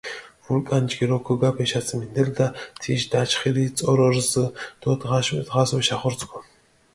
ვულკან ჯგირო ქოგაფჷ ეშაწიმინდელდა, თიშ დაჩხირი წორო რზჷ დო დღას ვეშახორცქუ.